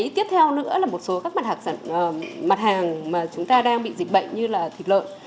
tiếp theo nữa là một số các mặt hàng mà chúng ta đang bị dịch bệnh như là thịt lợn